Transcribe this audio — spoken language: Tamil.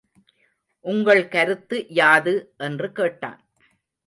உங்கள் கருத்து யாது? என்று கேட்டான்.